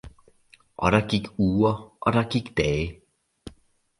Og der gik uger og der gik dage